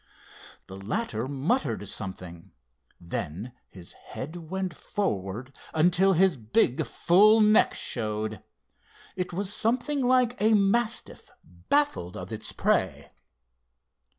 The latter muttered something. Then his head went forward until his big, full neck showed. It was something like a mastiff baffled of its prey.